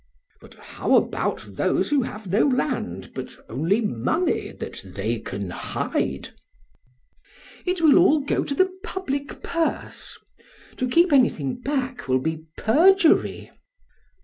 BLEPS. But how about those who have no land, but only money that they can hide? PRAX. It will all go to the public purse. To keep anything back will be perjury.